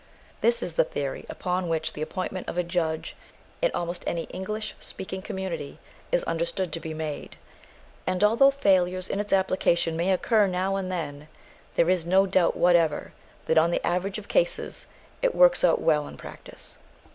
This is the theory upon which the appointment of a judge in almost any English speaking community is understood to be made; and, although failures in its application may occur now and then, there is no doubt whatever that on the average of cases it works out well in practice.